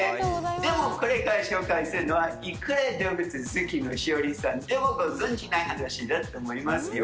でも、これから紹介するのは、いくら動物好きの栞里さんでも、ご存じない話だと思いますよ。